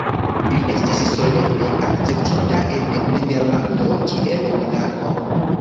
Li estis solene akceptita en Nederlando kiel monarko.